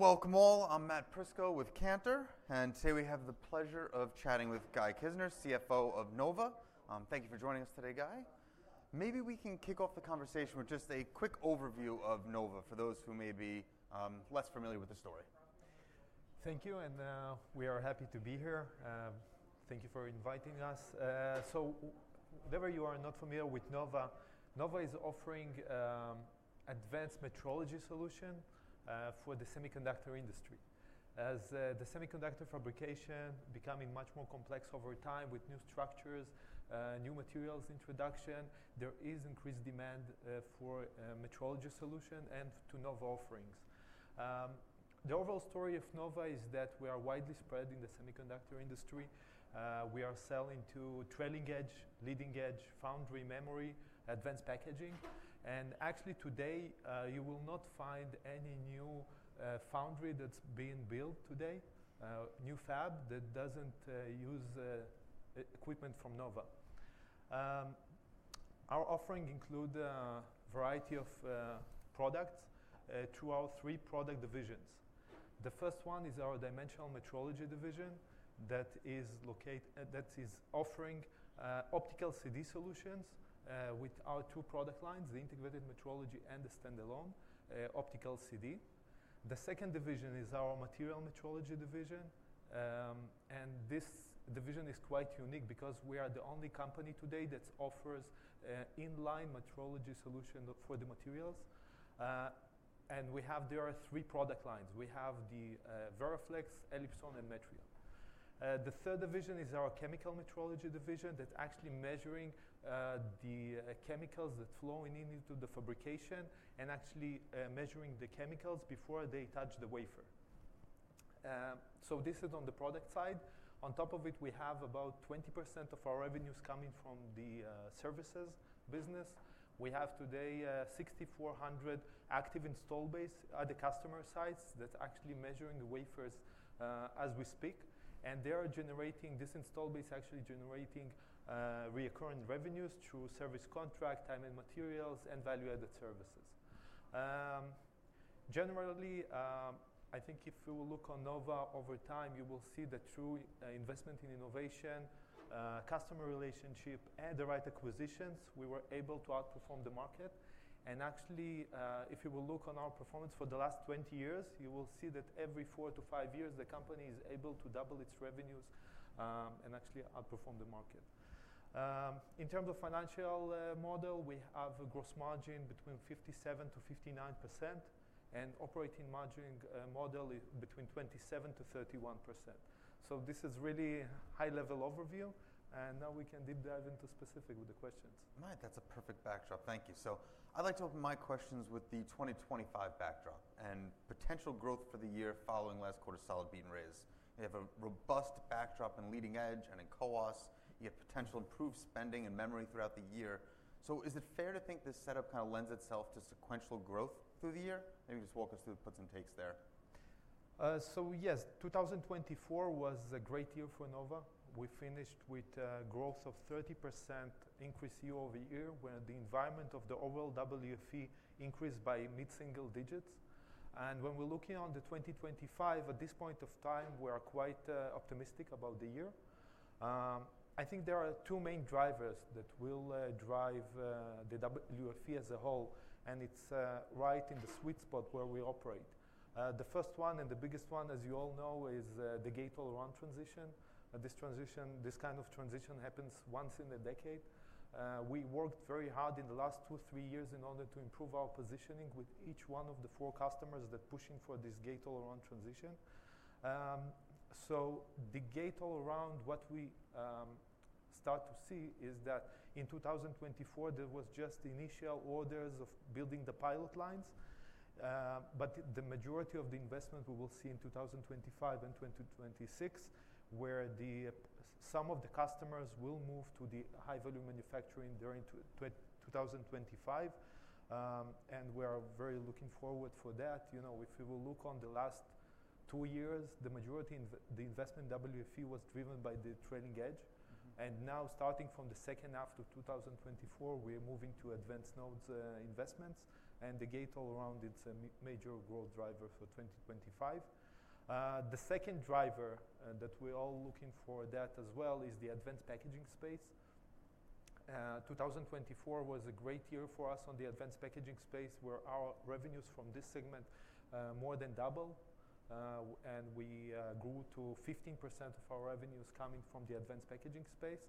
Welcome all. I'm Matt Prisco with Cantor, and today we have the pleasure of chatting with Guy Kizner, CFO of Nova. Thank you for joining us today, Guy. Maybe we can kick off the conversation with just a quick overview of Nova for those who may be less familiar with the story. Thank you, and we are happy to be here. Thank you for inviting us. Wherever you are not familiar with Nova, Nova is offering advanced metrology solutions for the semiconductor industry. As the semiconductor fabrication is becoming much more complex over time with new structures, new materials introduction, there is increased demand for metrology solutions and to Nova offerings. The overall story of Nova is that we are widely spread in the semiconductor industry. We are selling to trailing edge, leading edge, foundry memory, advanced packaging. Actually today, you will not find any new foundry that's being built today, new fab that doesn't use equipment from Nova. Our offerings include a variety of products through our three product divisions. The first one is our dimensional metrology division that is offering Optical CD solutions with our two product lines, the integrated metrology and the standalone Optical CD. The second division is our material metrology division, and this division is quite unique because we are the only company today that offers inline metrology solutions for the materials. We have three product lines. We have the VeraFlex, Elipson, and Metrion. The third division is our chemical metrology division that's actually measuring the chemicals that flow into the fabrication and actually measuring the chemicals before they touch the wafer. This is on the product side. On top of it, we have about 20% of our revenues coming from the services business. We have today 6,400 active install base at the customer sites that's actually measuring the wafers as we speak. They are generating, this install base actually generating recurrent revenues through service contract, time and materials, and value-added services. Generally, I think if you will look on Nova over time, you will see that through investment in innovation, customer relationship, and the right acquisitions, we were able to outperform the market. Actually, if you will look on our performance for the last 20 years, you will see that every four to five years, the company is able to double its revenues and actually outperform the market. In terms of financial model, we have a gross margin between 57%-59% and operating margin model between 27%-31%. This is really a high-level overview, and now we can deep dive into specifics with the questions. That's a perfect backdrop. Thank you. I'd like to open my questions with the 2025 backdrop and potential growth for the year following last quarter's solid beat and raise. You have a robust backdrop in leading edge and in CoWoS. You have potential improved spending in memory throughout the year. Is it fair to think this setup kind of lends itself to sequential growth through the year? Maybe just walk us through the puts and takes there. Yes, 2024 was a great year for Nova. We finished with a growth of 30% increase year over year when the environment of the overall WFE increased by mid-single digits. When we're looking on to 2025, at this point of time, we are quite optimistic about the year. I think there are two main drivers that will drive the WFE as a whole, and it's right in the sweet spot where we operate. The first one and the biggest one, as you all know, is the Gate-All-Around transition. This kind of transition happens once in a decade. We worked very hard in the last two, three years in order to improve our positioning with each one of the four customers that are pushing for this Gate-All-Around transition. The Gate-All-Around, what we start to see is that in 2024, there were just initial orders of building the pilot lines, but the majority of the investment we will see in 2025 and 2026, where some of the customers will move to the high-volume manufacturing during 2025. We are very looking forward to that. If you look on the last two years, the majority of the investment in WFE was driven by the trailing edge. Now, starting from the second half of 2024, we are moving to advanced nodes investments, and the Gate-All-Around is a major growth driver for 2025. The second driver that we're all looking for that as well is the advanced packaging space. 2024 was a great year for us on the advanced packaging space, where our revenues from this segment more than doubled, and we grew to 15% of our revenues coming from the advanced packaging space.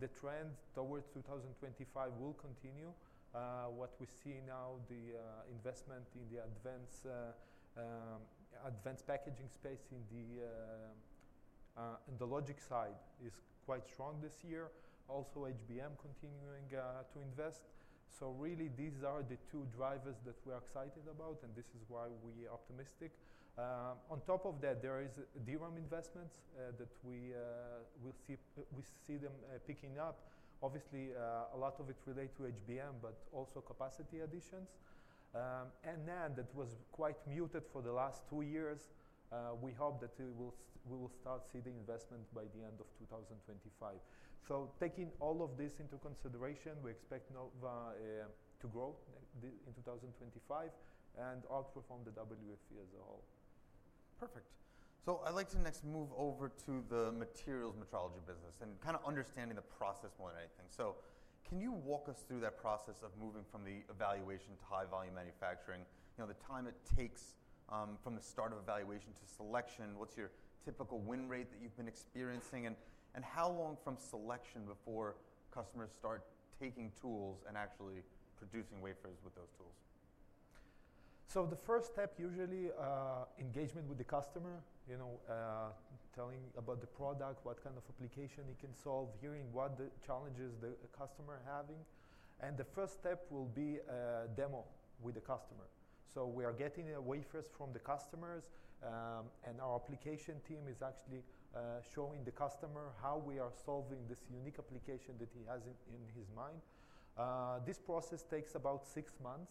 The trend towards 2025 will continue. What we see now, the investment in the advanced packaging space and the logic side is quite strong this year. Also, HBM continuing to invest. These are the two drivers that we are excited about, and this is why we are optimistic. On top of that, there are DRAM investments that we see them picking up. Obviously, a lot of it relates to HBM, but also capacity additions. That was quite muted for the last two years. We hope that we will start seeing the investment by the end of 2025. Taking all of this into consideration, we expect Nova to grow in 2025 and outperform the WFE as a whole. Perfect. I’d like to next move over to the materials metrology business and kind of understanding the process more than anything. Can you walk us through that process of moving from the evaluation to high-volume manufacturing? The time it takes from the start of evaluation to selection, what’s your typical win rate that you’ve been experiencing, and how long from selection before customers start taking tools and actually producing wafers with those tools? The first step usually is engagement with the customer, telling about the product, what kind of application it can solve, hearing what challenges the customer is having. The first step will be a demo with the customer. We are getting the wafers from the customers, and our application team is actually showing the customer how we are solving this unique application that he has in his mind. This process takes about six months,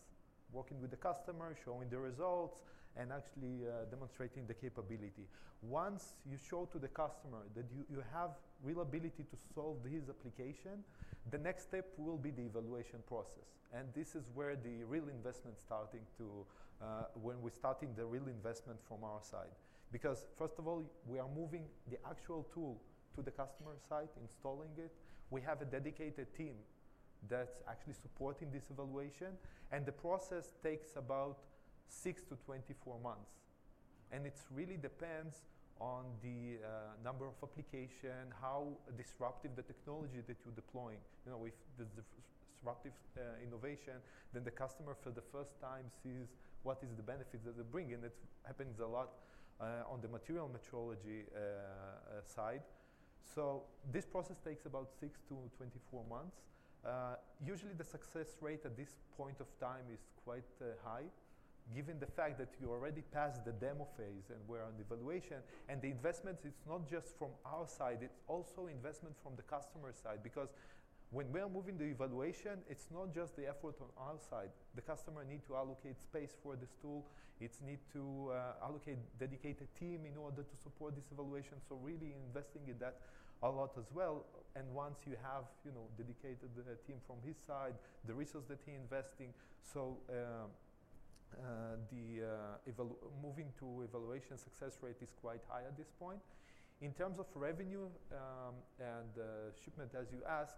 working with the customer, showing the results, and actually demonstrating the capability. Once you show to the customer that you have the ability to solve this application, the next step will be the evaluation process. This is where the real investment is starting when we're starting the real investment from our side. Because first of all, we are moving the actual tool to the customer site, installing it. We have a dedicated team that's actually supporting this evaluation. The process takes about 6 to 24 months. It really depends on the number of applications, how disruptive the technology that you're deploying. If the disruptive innovation, then the customer for the first time sees what the benefits are bringing. It happens a lot on the material metrology side. This process takes about 6 to 24 months. Usually, the success rate at this point of time is quite high, given the fact that you already passed the demo phase and we're on evaluation. The investment, it's not just from our side. It's also investment from the customer side. Because when we are moving the evaluation, it's not just the effort on our side. The customer needs to allocate space for this tool. It needs to allocate a dedicated team in order to support this evaluation. Really investing in that a lot as well. Once you have a dedicated team from his side, the resources that he's investing, moving to evaluation, the success rate is quite high at this point. In terms of revenue and shipment, as you asked,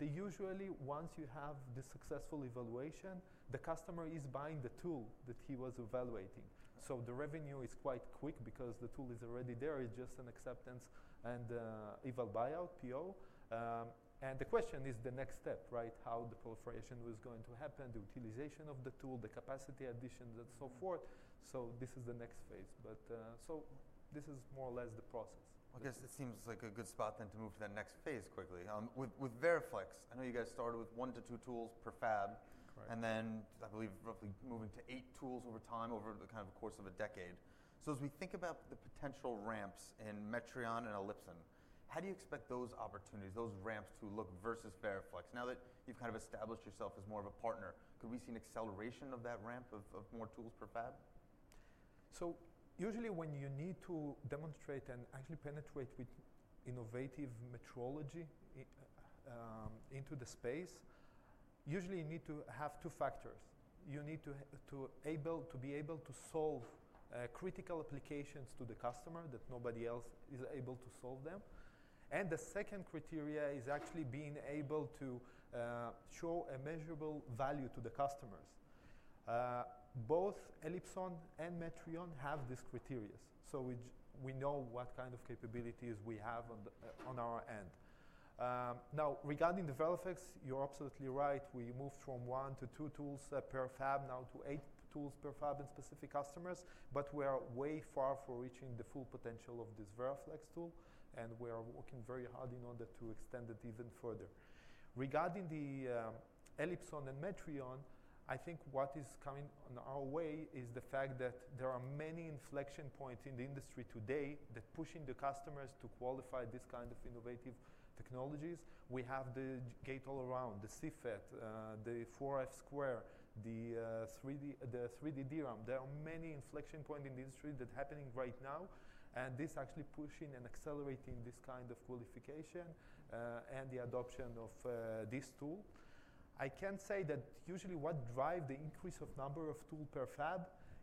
usually once you have the successful evaluation, the customer is buying the tool that he was evaluating. The revenue is quite quick because the tool is already there. It's just an acceptance and eval buyout, PO. The question is the next step, right? How the proliferation is going to happen, the utilization of the tool, the capacity addition, and so forth. This is the next phase. This is more or less the process. I guess it seems like a good spot then to move to that next phase quickly. With VeraFlex, I know you guys started with one to two tools per fab, and then I believe roughly moving to eight tools over time over the kind of course of a decade. As we think about the potential ramps in Metrion and Elipson, how do you expect those opportunities, those ramps to look versus VeraFlex? Now that you've kind of established yourself as more of a partner, could we see an acceleration of that ramp of more tools per fab? Usually when you need to demonstrate and actually penetrate with innovative metrology into the space, you need to have two factors. You need to be able to solve critical applications to the customer that nobody else is able to solve them. The second criteria is actually being able to show a measurable value to the customers. Both Elipson and Metrion have these criteria, so we know what kind of capabilities we have on our end. Now, regarding the VeraFlex, you're absolutely right. We moved from one to two tools per fab now to eight tools per fab in specific customers. We are way far from reaching the full potential of this VeraFlex tool, and we are working very hard in order to extend it even further. Regarding the Elipson and Metrion, I think what is coming our way is the fact that there are many inflection points in the industry today that are pushing the customers to qualify this kind of innovative technologies. We have the Gate-All-Around, the CFET, the 4F², the 3D DRAM. There are many inflection points in the industry that are happening right now, and this is actually pushing and accelerating this kind of qualification and the adoption of this tool. I can say that usually what drives the increase of the number of tools per fab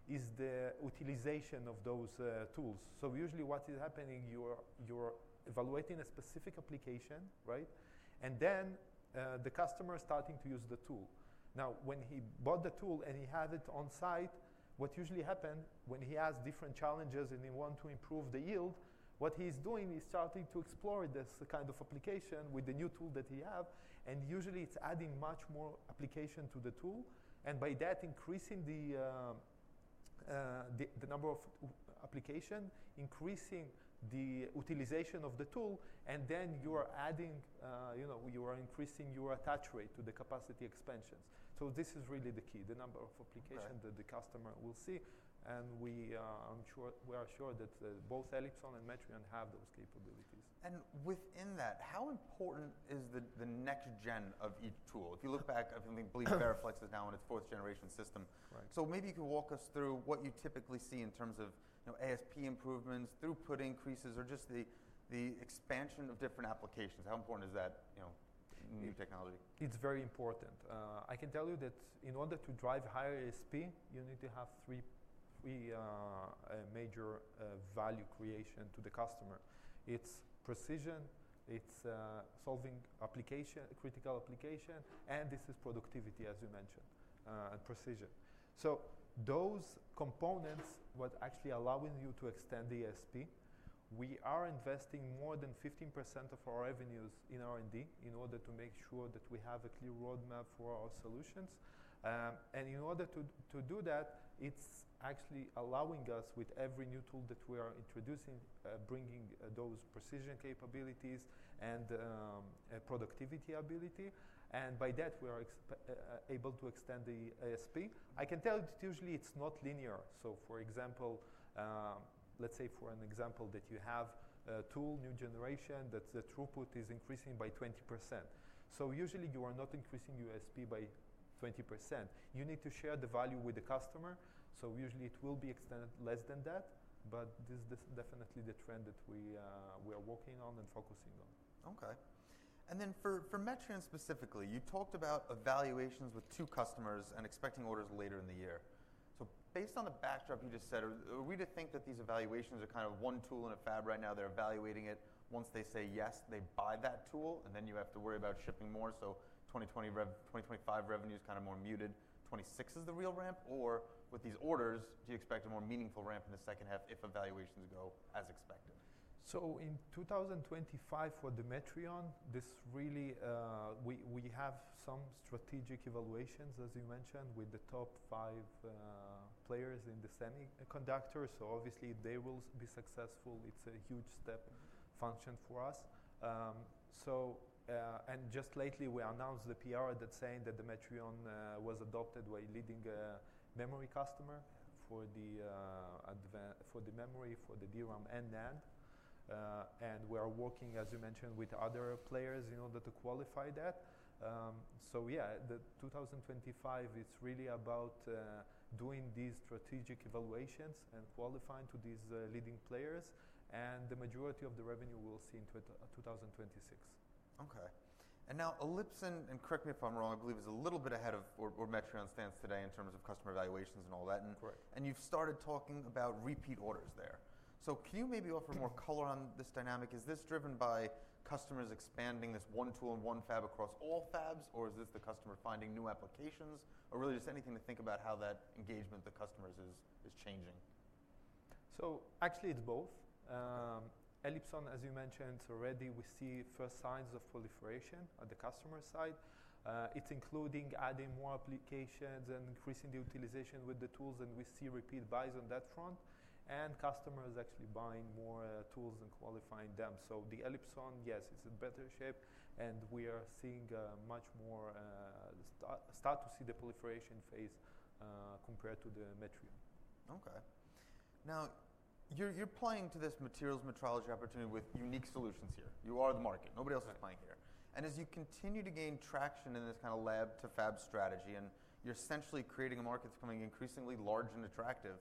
is the utilization of those tools. Usually what is happening, you're evaluating a specific application, right? And then the customer is starting to use the tool. Now, when he bought the tool and he has it on site, what usually happens when he has different challenges and he wants to improve the yield, what he's doing is starting to explore this kind of application with the new tool that he has. Usually it's adding much more application to the tool, and by that, increasing the number of applications, increasing the utilization of the tool, and you are increasing your attach rate to the capacity expansions. This is really the key, the number of applications that the customer will see. We are sure that both Elipson and Metrion have those capabilities. Within that, how important is the next gen of each tool? If you look back, I believe VeraFlex is now on its fourth-generation system. Maybe you could walk us through what you typically see in terms of ASP improvements, throughput increases, or just the expansion of different applications. How important is that new technology? It's very important. I can tell you that in order to drive higher ASP, you need to have three major value creations to the customer. It's precision, it's solving critical applications, and this is productivity, as you mentioned, and precision. Those components are what are actually allowing you to extend the ASP. We are investing more than 15% of our revenues in R&D in order to make sure that we have a clear roadmap for our solutions. In order to do that, it's actually allowing us, with every new tool that we are introducing, bringing those precision capabilities and productivity ability. By that, we are able to extend the ASP. I can tell you that usually it's not linear. For example, let's say for an example that you have a tool, new generation, that the throughput is increasing by 20%. Usually you are not increasing your ASP by 20%. You need to share the value with the customer. Usually it will be extended less than that, but this is definitely the trend that we are working on and focusing on. Okay. For Metrion specifically, you talked about evaluations with two customers and expecting orders later in the year. Based on the backdrop you just said, are we to think that these evaluations are kind of one tool in a fab right now? They're evaluating it. Once they say yes, they buy that tool, and then you have to worry about shipping more. 2025 revenue is kind of more muted. 2026 is the real ramp. With these orders, do you expect a more meaningful ramp in the second half if evaluations go as expected? In 2025 for the Metrion, we have some strategic evaluations, as you mentioned, with the top five players in the semiconductors. Obviously they will be successful. It's a huge step function for us. Just lately, we announced the PR that's saying that the Metrion was adopted by a leading memory customer for the memory, for the DRAM, and NAND. We are working, as you mentioned, with other players in order to qualify that. Yeah, 2025 is really about doing these strategic evaluations and qualifying to these leading players. The majority of the revenue we'll see in 2026. Okay. Elipson, and correct me if I'm wrong, I believe is a little bit ahead of where Metrion stands today in terms of customer evaluations and all that. You have started talking about repeat orders there. Can you maybe offer more color on this dynamic? Is this driven by customers expanding this one tool in one fab across all fabs, or is this the customer finding new applications, or really just anything to think about how that engagement with the customers is changing? Actually it's both. Elipson, as you mentioned, already we see first signs of proliferation on the customer side. It's including adding more applications and increasing the utilization with the tools, and we see repeat buys on that front. Customers actually buying more tools and qualifying them. So the Elipson, yes, it's in better shape, and we are seeing much more start to see the proliferation phase compared to the Metrion. Okay. Now you're playing to this materials metrology opportunity with unique solutions here. You are the market. Nobody else is playing here. As you continue to gain traction in this kind of lab to fab strategy, and you're essentially creating a market that's becoming increasingly large and attractive,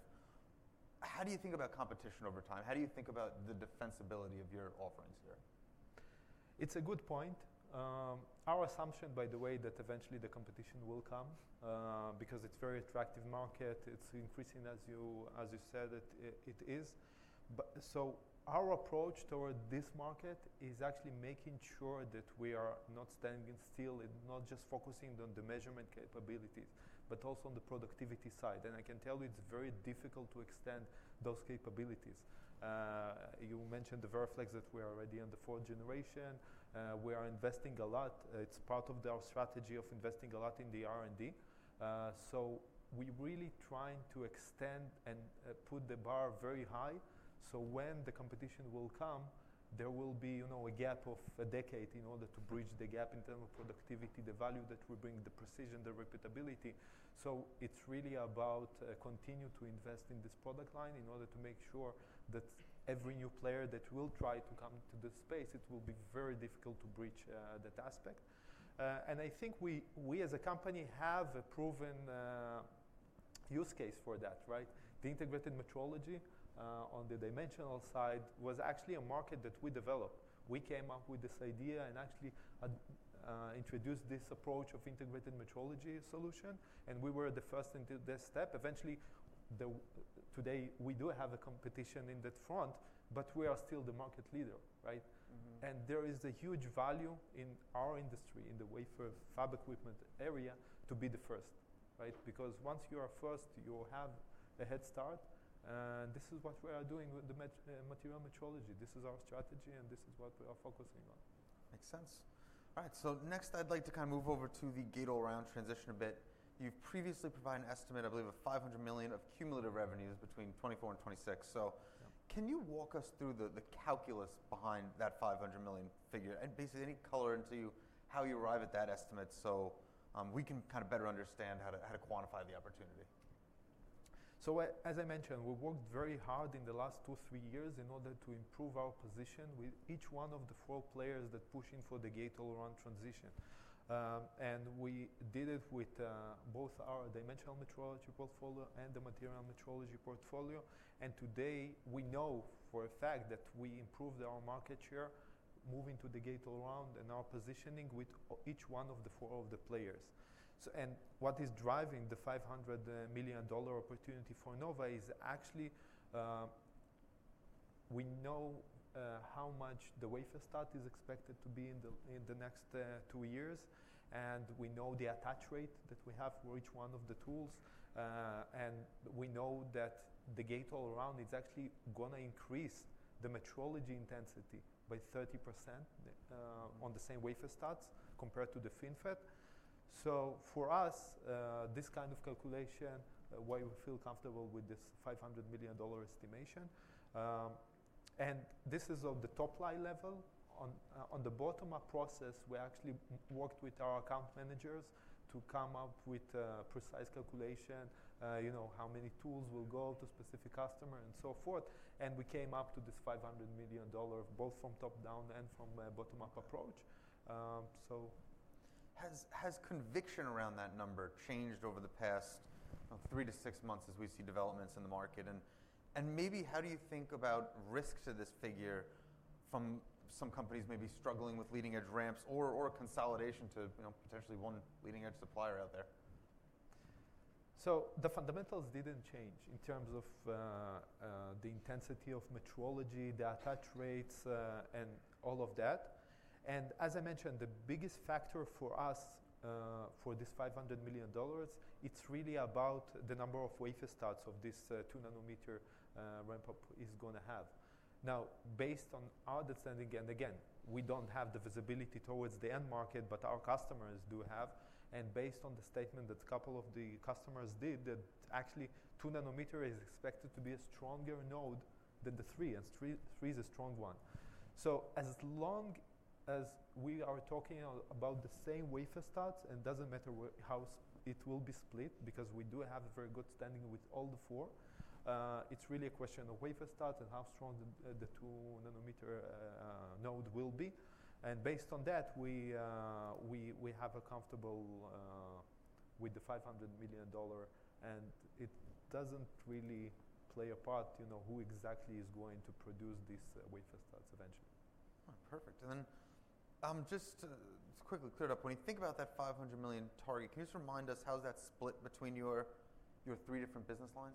how do you think about competition over time? How do you think about the defensibility of your offerings here? It's a good point. Our assumption, by the way, is that eventually the competition will come because it's a very attractive market. It's increasing, as you said, it is. Our approach toward this market is actually making sure that we are not standing still and not just focusing on the measurement capabilities, but also on the productivity side. I can tell you it's very difficult to extend those capabilities. You mentioned the VeraFlex that we are already on the fourth generation. We are investing a lot. It's part of our strategy of investing a lot in the R&D. We are really trying to extend and put the bar very high so when the competition will come, there will be a gap of a decade in order to bridge the gap in terms of productivity, the value that we bring, the precision, the repeatability. It is really about continuing to invest in this product line in order to make sure that every new player that will try to come to this space, it will be very difficult to bridge that aspect. I think we, as a company, have a proven use case for that, right? The integrated metrology on the dimensional side was actually a market that we developed. We came up with this idea and actually introduced this approach of integrated metrology solution, and we were the first in this step. Eventually, today we do have a competition in that front, but we are still the market leader, right? There is a huge value in our industry, in the wafer fab equipment area, to be the first, right? Because once you are first, you have a head start. This is what we are doing with the material metrology. This is our strategy, and this is what we are focusing on. Makes sense. All right. Next, I'd like to kind of move over to the Gate-All-Around transition a bit. You've previously provided an estimate, I believe, of $500 million of cumulative revenues between 2024 and 2026. Can you walk us through the calculus behind that $500 million figure and basically any color into how you arrive at that estimate so we can kind of better understand how to quantify the opportunity? As I mentioned, we worked very hard in the last two, three years in order to improve our position with each one of the four players that push in for the Gate-All-Around transition. We did it with both our dimensional metrology portfolio and the material metrology portfolio. Today we know for a fact that we improved our market share moving to the Gate-All-Around and our positioning with each one of the four players. What is driving the $500 million opportunity for Nova is actually we know how much the wafer start is expected to be in the next two years, and we know the attach rate that we have for each one of the tools. We know that the Gate-All-Around is actually going to increase the metrology intensity by 30% on the same wafer starts compared to the FinFET. For us, this kind of calculation, why we feel comfortable with this $500 million estimation. This is on the top line level. On the bottom-up process, we actually worked with our account managers to come up with a precise calculation, how many tools will go to a specific customer and so forth. We came up to this $500 million, both from top-down and from a bottom-up approach. Has conviction around that number changed over the past three to six months as we see developments in the market? Maybe how do you think about risks of this figure from some companies maybe struggling with leading-edge ramps or consolidation to potentially one leading-edge supplier out there? The fundamentals did not change in terms of the intensity of metrology, the attach rates, and all of that. As I mentioned, the biggest factor for us for this $500 million, it is really about the number of wafer starts this two-nanometer ramp-up is going to have. Now, based on our understanding, and again, we do not have the visibility towards the end market, but our customers do have. Based on the statement that a couple of the customers did, actually two-nanometer is expected to be a stronger node than the three, and three is a strong one. As long as we are talking about the same wafer starts, and it does not matter how it will be split because we do have a very good standing with all the four, it is really a question of wafer starts and how strong the two-nanometer node will be. Based on that, we have a comfortable with the $500 million, and it doesn't really play a part who exactly is going to produce these wafer starts eventually. All right. Perfect. Just to quickly clear it up, when you think about that $500 million target, can you just remind us how is that split between your three different business lines?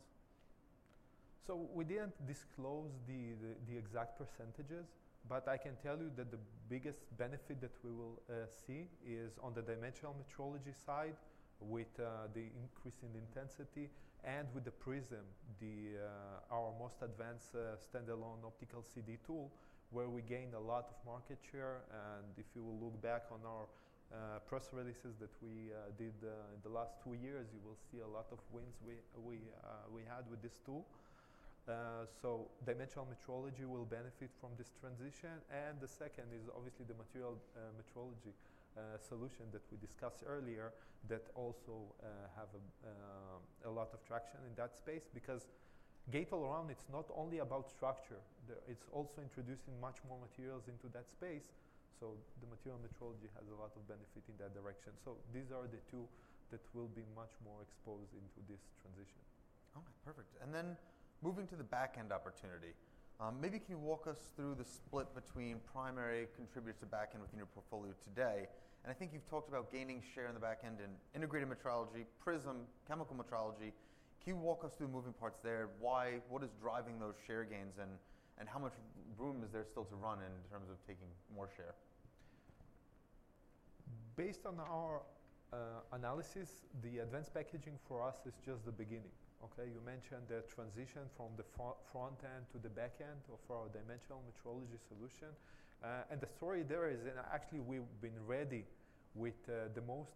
We did not disclose the exact percentages, but I can tell you that the biggest benefit that we will see is on the dimensional metrology side with the increase in intensity and with the Prism, our most advanced standalone Optical CD tool, where we gained a lot of market share. If you look back on our press releases that we did in the last two years, you will see a lot of wins we had with this tool. Dimensional metrology will benefit from this transition. The second is obviously the material metrology solution that we discussed earlier that also has a lot of traction in that space because Gate-All-Around is not only about structure. It is also introducing much more materials into that space. The material metrology has a lot of benefit in that direction. These are the two that will be much more exposed into this transition. Okay. Perfect. Moving to the backend opportunity, maybe can you walk us through the split between primary contributors to backend within your portfolio today? I think you've talked about gaining share in the backend in integrated metrology, Prism, chemical metrology. Can you walk us through the moving parts there? Why? What is driving those share gains, and how much room is there still to run in terms of taking more share? Based on our analysis, the advanced packaging for us is just the beginning. Okay? You mentioned the transition from the front end to the backend of our dimensional metrology solution. The story there is actually we've been ready with the most,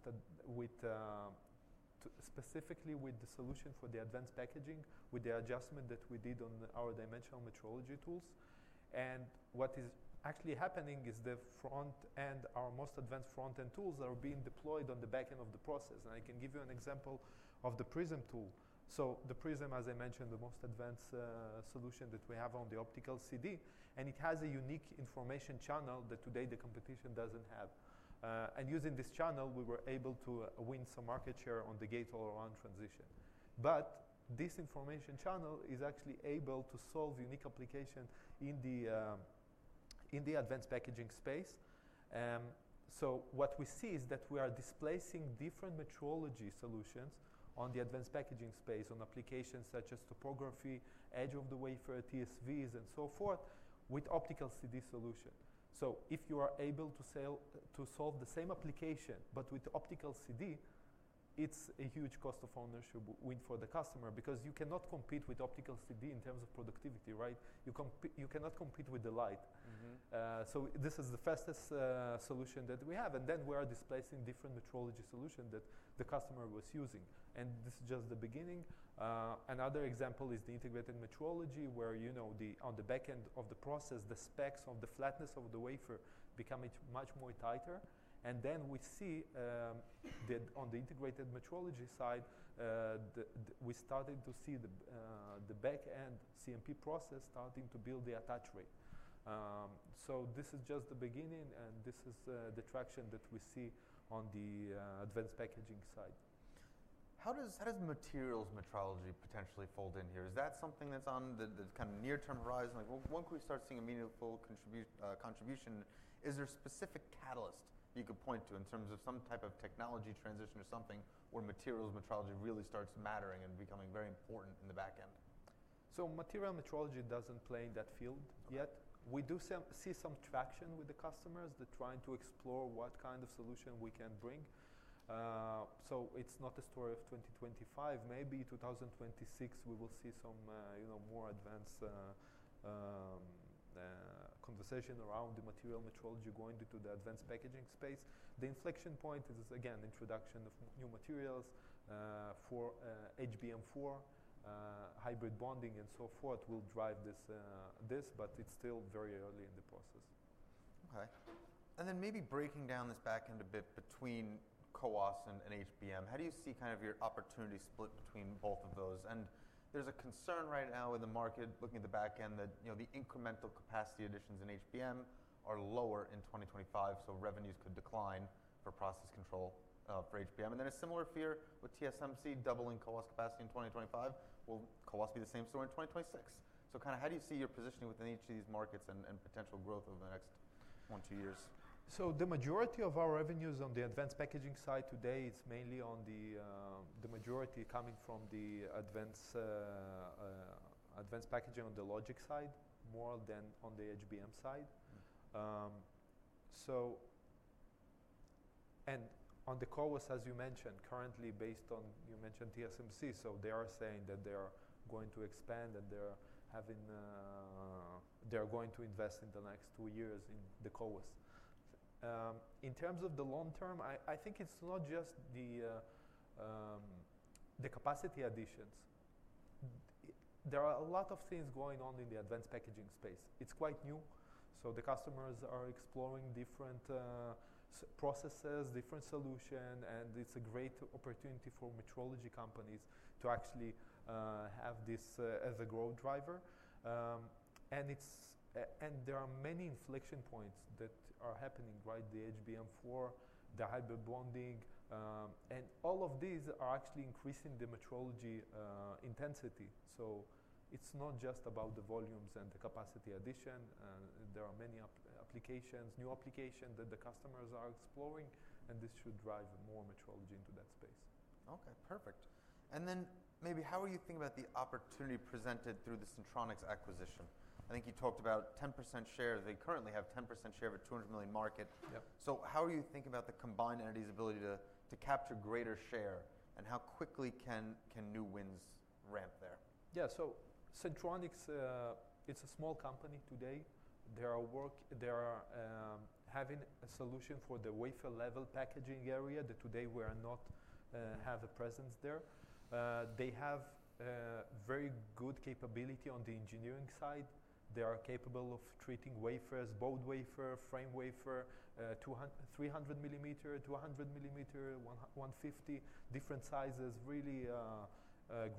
specifically with the solution for the advanced packaging, with the adjustment that we did on our dimensional metrology tools. What is actually happening is the front end, our most advanced front-end tools are being deployed on the backend of the process. I can give you an example of the Prism tool. The Prism, as I mentioned, the most advanced solution that we have on the Optical CD, and it has a unique information channel that today the competition doesn't have. Using this channel, we were able to win some market share on the Gate-All-Around transition. This information channel is actually able to solve unique applications in the advanced packaging space. What we see is that we are displacing different metrology solutions in the advanced packaging space, on applications such as topography, edge of the wafer, TSVs, and so forth, with Optical CD solution. If you are able to solve the same application, but with Optical CD, it is a huge cost of ownership win for the customer because you cannot compete with Optical CD in terms of productivity, right? You cannot compete with the light. This is the fastest solution that we have. We are displacing different metrology solutions that the customer was using. This is just the beginning. Another example is the integrated metrology, where on the backend of the process, the specs of the flatness of the wafer become much more tighter. We see that on the integrated metrology side, we started to see the backend CMP process starting to build the attach rate. This is just the beginning, and this is the traction that we see on the advanced packaging side. How does materials metrology potentially fold in here? Is that something that's on the kind of near-term horizon? When can we start seeing a meaningful contribution? Is there a specific catalyst you could point to in terms of some type of technology transition or something where materials metrology really starts mattering and becoming very important in the backend? Material metrology doesn't play in that field yet. We do see some traction with the customers that are trying to explore what kind of solution we can bring. It's not a story of 2025. Maybe 2026, we will see some more advanced conversation around the material metrology going into the advanced packaging space. The inflection point is, again, introduction of new materials for HBM4, hybrid bonding, and so forth will drive this, but it's still very early in the process. Okay. Maybe breaking down this backend a bit between CoWoS and HBM, how do you see kind of your opportunity split between both of those? There is a concern right now in the market, looking at the backend, that the incremental capacity additions in HBM are lower in 2025, so revenues could decline for process control for HBM. There is also a similar fear with TSMC doubling CoWoS capacity in 2025. Will CoWoS be the same story in 2026? How do you see your positioning within each of these markets and potential growth over the next one, two years? The majority of our revenues on the advanced packaging side today, it's mainly on the majority coming from the advanced packaging on the logic side more than on the HBM side. On the CoWoS, as you mentioned, currently based on, you mentioned TSMC, so they are saying that they are going to expand and they are going to invest in the next two years in the CoWoS. In terms of the long term, I think it's not just the capacity additions. There are a lot of things going on in the advanced packaging space. It's quite new. The customers are exploring different processes, different solutions, and it's a great opportunity for metrology companies to actually have this as a growth driver. There are many inflection points that are happening, right? The HBM4, the hybrid bonding, and all of these are actually increasing the metrology intensity. It is not just about the volumes and the capacity addition. There are many applications, new applications that the customers are exploring, and this should drive more metrology into that space. Okay. Perfect. Maybe how are you thinking about the opportunity presented through the Sentronics acquisition? I think you talked about 10% share. They currently have 10% share of a $200 million market. How are you thinking about the combined entity's ability to capture greater share, and how quickly can new wins ramp there? Yeah. Sentronics, it's a small company today. They are having a solution for the wafer-level packaging area that today we do not have a presence in. They have very good capability on the engineering side. They are capable of treating wafers, bond wafer, frame wafer, 300 millimeter, 200 millimeter, 150, different sizes, really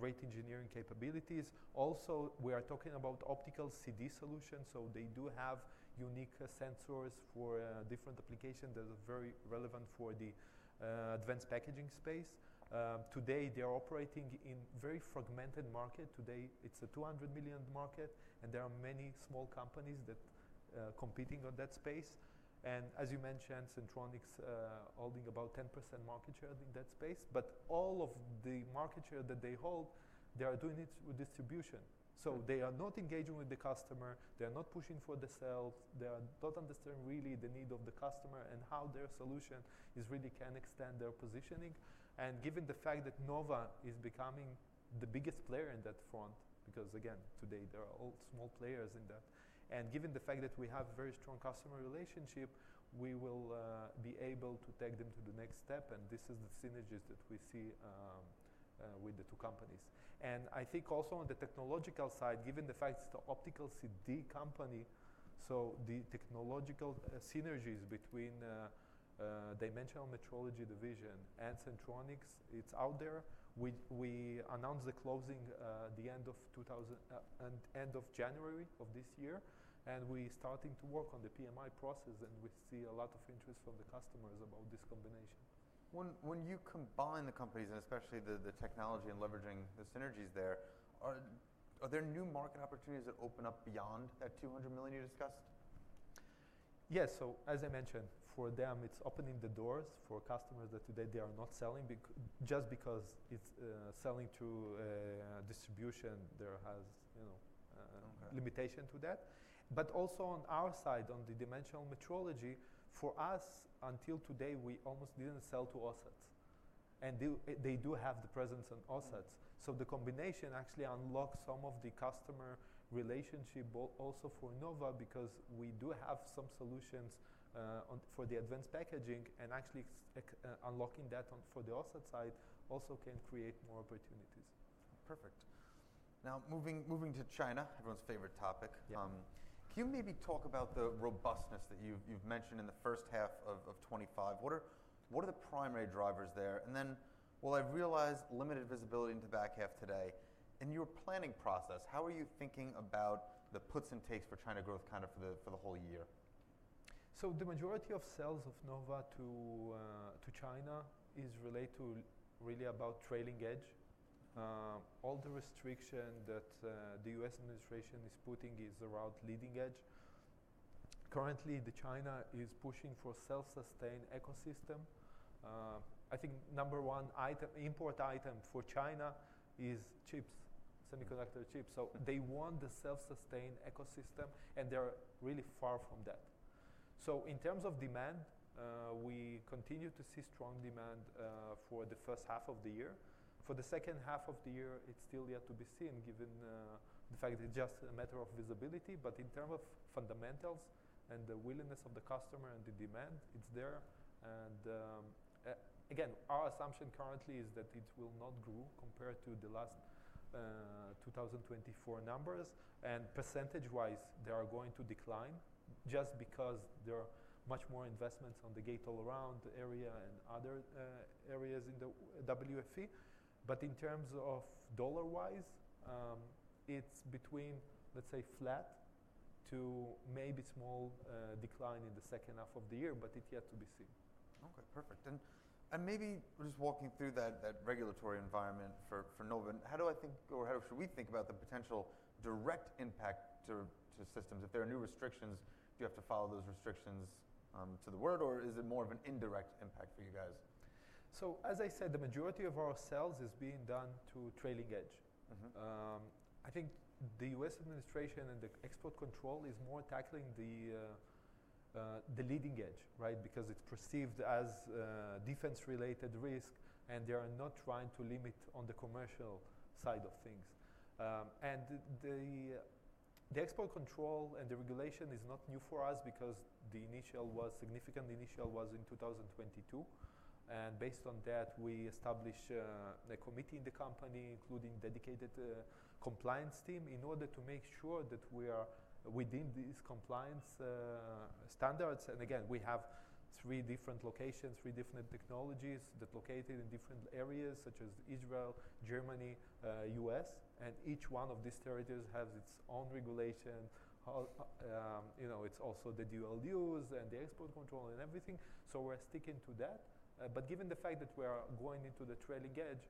great engineering capabilities. Also, we are talking about Optical CD solutions. They do have unique sensors for different applications that are very relevant for the advanced packaging space. Today, they are operating in a very fragmented market. Today, it's a $200 million market, and there are many small companies that are competing in that space. As you mentioned, Sentronics is holding about 10% market share in that space. All of the market share that they hold, they are doing it through distribution. They are not engaging with the customer. They are not pushing for the sales. They are not understanding really the need of the customer and how their solution really can extend their positioning. Given the fact that Nova is becoming the biggest player in that front, because again, today there are all small players in that. Given the fact that we have a very strong customer relationship, we will be able to take them to the next step. This is the synergies that we see with the two companies. I think also on the technological side, given the fact it's the Optical CD company, the technological synergies between dimensional metrology division and Sentronics, it's out there. We announced the closing at the end of January of this year, and we are starting to work on the PMI process, and we see a lot of interest from the customers about this combination. When you combine the companies and especially the technology and leveraging the synergies there, are there new market opportunities that open up beyond that $200 million you discussed? Yes. As I mentioned, for them, it's opening the doors for customers that today they are not selling just because it's selling to distribution. There is limitation to that. Also on our side, on the dimensional metrology, for us, until today, we almost didn't sell to OSATs. They do have the presence on OSATs. The combination actually unlocks some of the customer relationship also for Nova because we do have some solutions for the advanced packaging. Actually unlocking that for the OSAT side also can create more opportunities. Perfect. Now moving to China, everyone's favorite topic. Can you maybe talk about the robustness that you've mentioned in the first half of 2025? What are the primary drivers there? I realize limited visibility into the back half today. In your planning process, how are you thinking about the puts and takes for China growth kind of for the whole year? The majority of sales of Nova to China is related to really about trailing edge. All the restrictions that the U.S. administration is putting is around leading edge. Currently, China is pushing for a self-sustained ecosystem. I think number one import item for China is chips, semiconductor chips. They want the self-sustained ecosystem, and they're really far from that. In terms of demand, we continue to see strong demand for the first half of the year. For the second half of the year, it's still yet to be seen given the fact that it's just a matter of visibility. In terms of fundamentals and the willingness of the customer and the demand, it's there. Again, our assumption currently is that it will not grow compared to the last 2024 numbers. Percentage-wise, they are going to decline just because there are much more investments on the Gate-All-Around area and other areas in the WFE. In terms of dollar-wise, it's between, let's say, flat to maybe small decline in the second half of the year, but it's yet to be seen. Okay. Perfect. Maybe just walking through that regulatory environment for Nova, how do I think or how should we think about the potential direct impact to systems? If there are new restrictions, do you have to follow those restrictions to the word, or is it more of an indirect impact for you guys? As I said, the majority of our sales is being done to trailing edge. I think the U.S. administration and the export control is more tackling the leading edge, right, because it's perceived as defense-related risk, and they are not trying to limit on the commercial side of things. The export control and the regulation is not new for us because the significant initial was in 2022. Based on that, we established a committee in the company, including a dedicated compliance team, in order to make sure that we are within these compliance standards. Again, we have three different locations, three different technologies that are located in different areas, such as Israel, Germany, U.S. Each one of these territories has its own regulation. It's also the dual-use and the export control and everything. We're sticking to that. Given the fact that we are going into the trailing edge,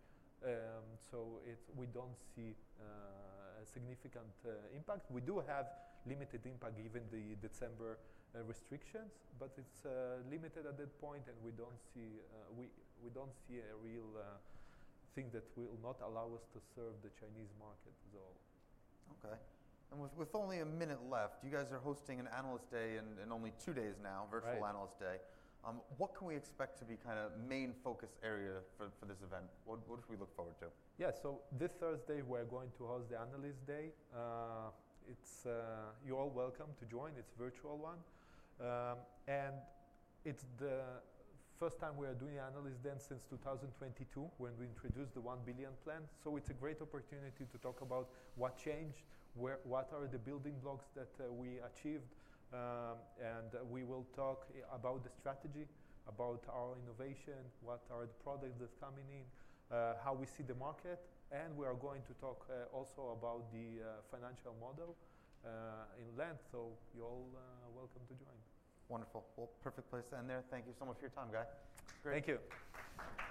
we do not see a significant impact. We do have limited impact given the December restrictions, but it is limited at that point, and we do not see a real thing that will not allow us to serve the Chinese market at all. Okay. With only a minute left, you guys are hosting an Analyst Day in only two days now, Virtual Analyst Day. What can we expect to be kind of the main focus area for this event? What should we look forward to? Yeah. This Thursday, we're going to host the Analyst Day. You're all welcome to join. It's a virtual one. It's the first time we are doing Analyst Day since 2022 when we introduced the $1 billion plan. It's a great opportunity to talk about what changed, what are the building blocks that we achieved. We will talk about the strategy, about our innovation, what are the products that are coming in, how we see the market. We are going to talk also about the financial model in length. You're all welcome to join. Wonderful. Perfect place to end there. Thank you so much for your time, guys. Great. Thank you.